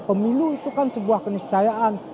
pemilu itu kan sebuah keniscayaan